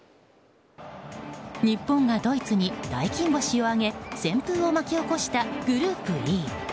日本がドイツに大金星を挙げ旋風を巻き起こしたグループＥ。